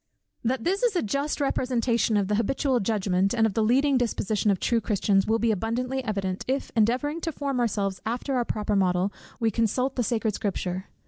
That this is a just representation of the habitual judgment, and of the leading disposition of true Christians, will be abundantly evident, if, endeavouring to form ourselves after our proper model, we consult the sacred Scripture.